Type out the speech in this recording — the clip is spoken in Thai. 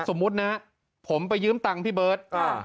สมมุตินะผมไปยืมตังค์พี่เบิร์ต